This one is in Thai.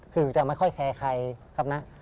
คือจะไม่ค่อยแคร์ใครครับนะ